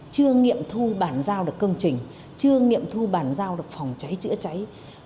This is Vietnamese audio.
chưa nghiệm thu bản giao được công trình chưa nghiệm thu bản giao được phòng cháy chữa cháy